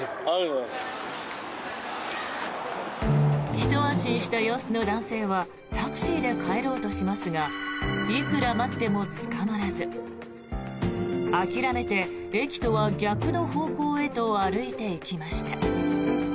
ひと安心した様子の男性はタクシーで帰ろうとしますがいくら待ってもつかまらず諦めて、駅とは逆の方向へと歩いていきました。